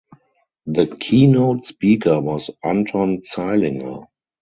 The keynote speaker was Anton Zeilinger.